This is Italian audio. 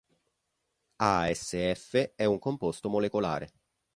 AsF è un composto molecolare.